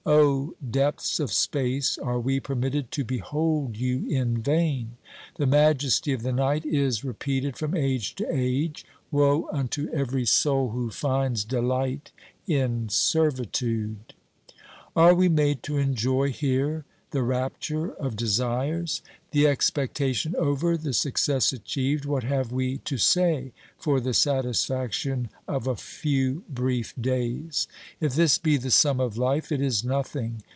O depths of space ! are we permitted to behold you in vain ? The majesty of the night is re peated from age to age : woe unto every soul who finds delight in servitude ! Are we made to enjoy here the rapture of desires ? The expectation over, the success achieved, what have we to say for the satisfaction of a few brief days? If this be the sum of life, it is nothing.